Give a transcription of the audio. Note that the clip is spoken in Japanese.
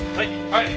はい。